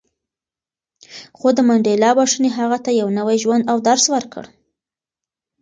خو د منډېلا بښنې هغه ته یو نوی ژوند او درس ورکړ.